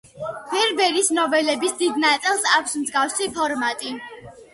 ვერბერის ნოველების დიდ ნაწილს აქვს მსგავსი ფორმატი.